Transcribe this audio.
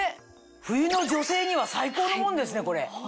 冬の女性には最高のもんですねこれ。